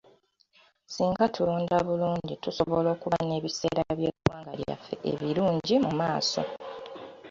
Singa tulonda bulungi tusobola okuba n'ebiseera by'egwanga lyaffe ebirungi mu maaso.